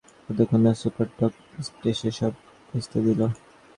যতক্ষণ না Superdog Krypto এসে সব ভেস্তে দিল।